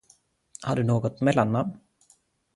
Har du något mellannamn?